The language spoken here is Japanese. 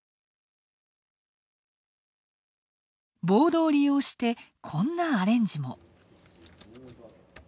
ボードを利用して、こんなアレンジも。